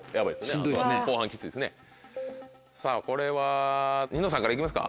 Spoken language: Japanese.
さぁこれはニノさんから行きますか。